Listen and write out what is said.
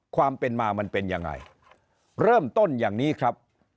ความเป็นมามันเป็นยังไงเริ่มต้นอย่างนี้ครับ